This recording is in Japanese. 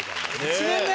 １年目！？